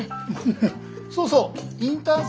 ハハそうそうインターン